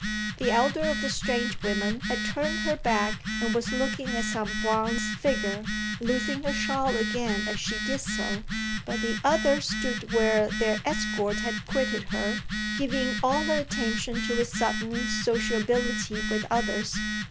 The elder of the strange women had turned her back and was looking at some bronze figure, losing her shawl again as she did so; but the other stood where their escort had quitted her, giving all her attention to his sudden sociability with others.